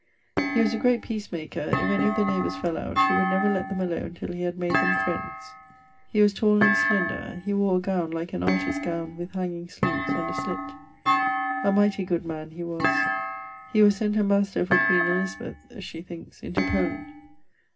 He was a great peace maker; if any of the neighbours fell out, he would never lett them alone till he had made them friends. He was tall and slender. He wore a gowne like an artist's gowne, with hanging sleeves, and a slitt. A mighty good man he was. He was sent ambassador for Queen Elizabeth (shee thinkes) into Poland.